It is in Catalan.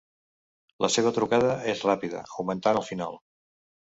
La seva trucada és ràpida, augmentant al final.